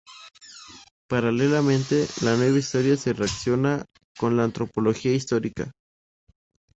Paralelamente, la "nueva historia" se relaciona con la antropología histórica.